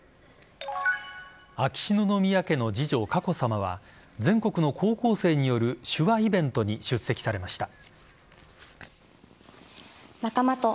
秋篠宮家の次女・佳子さまは全国の高校生による手話イベントに出席されました。